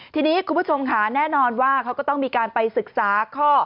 ทีนี้คุณผู้ชมค่ะแน่นอนว่าเขาก็ต้องมีการไปศึกษาข้อ